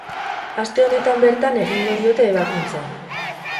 Aste honetan bertan egingo diote ebakuntza.